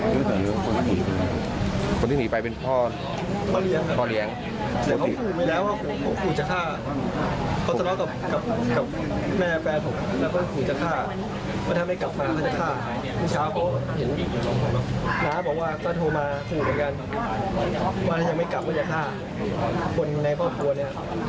มาถูกเหมือนกันว่าถ้าไม่กลับก็จะฆ่าคนในภาพกวนเนี่ย